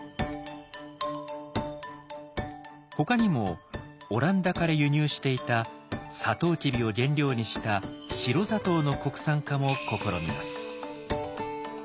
ほかにもオランダから輸入していたサトウキビを原料にした白砂糖の国産化も試みます。